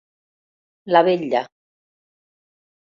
La vetlla.